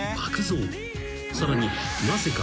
［さらになぜか］